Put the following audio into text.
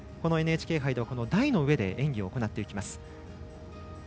ＮＨＫ杯では、この台の上で演技を行っていきます。